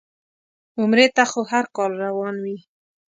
عمرې ته خو هر کال روان وي.